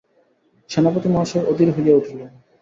সেনাপতি মহাশয় অধীর হইয়া উঠিলেন।